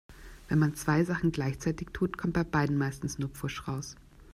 Wenn man zwei Sachen gleichzeitig tut, kommt bei beidem meistens nur Pfusch raus.